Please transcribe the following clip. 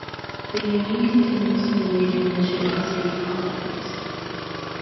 The union continues to engage in Michigan state politics.